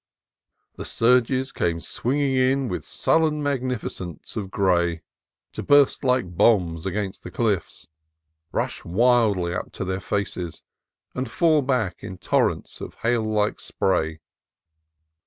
The surges came swinging in with sullen mag nificence of gray, to burst like bombs against the cliffs, rush wildly up their faces, and fall back in tor rents of hail like spray.